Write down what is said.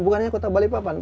bukannya kota balikpapan